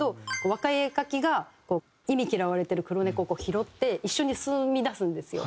若い絵描きが忌み嫌われてる黒猫を拾って一緒に住みだすんですよ。